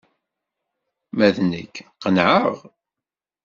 Ma d nekk, qenεeɣ.